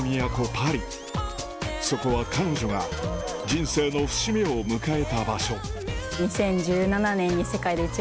パリそこは彼女が人生の節目を迎えた場所ハウスの？